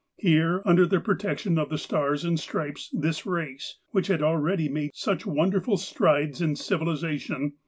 Here, under the protection of the stars and the stripes, this race, which had already made such wonderful strides in civilization.